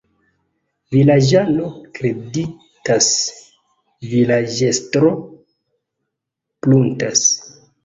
Vilaĝano kreditas, vilaĝestro pruntas.